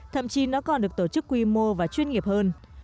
thậm chí nó còn được tổ chức quy mô và chuyên nghiệp hơn